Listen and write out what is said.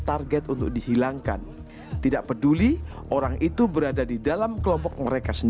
casus taat pribadi misalnya tidak cuma korban oleh orang yang tinggal di padepokan itu yang